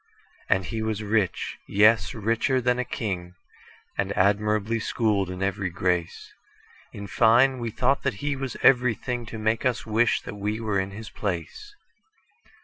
And he was rich,—yes, richer than a king,—And admirably schooled in every grace:In fine, we thought that he was everythingTo make us wish that we were in his place.